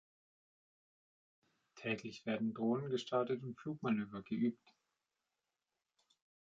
Täglich werden Drohnen gestartet und Flugmanöver geübt.